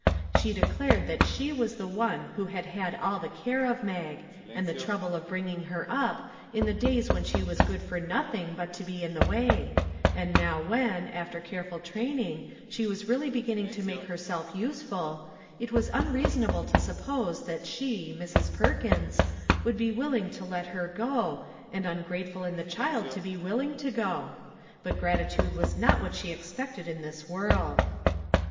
She declared that she was the one who had had all the care of Mag, and the trou ble of bringing her up, in the days when she was good for nothing but to be in the way, and now when, after careful training, she was really beginning to make herself useful, it was unrea sonable to suppose that she, Mrs. Perkins, would be willing to let her go, and ungrate ful in the child to be willing to go; but gratitude was not what she expected in this world.